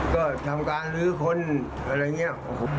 ก็ทำการลื้อคนอะไรอย่างนี้